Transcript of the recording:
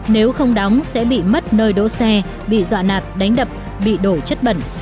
nếu không đóng sẽ bị mất nơi đỗ xe bị dọa nạt đánh đập bị đổ chất bẩn